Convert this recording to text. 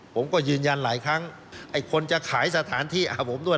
ผมก็ยืนยันหลายครั้งไอ้คนจะขายสถานที่หาผมด้วย